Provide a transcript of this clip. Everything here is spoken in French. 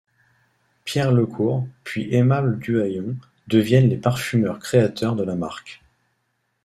Pierre Lecourt, puis Aimable Duhayon, deviennent les parfumeurs-créateurs de la marque.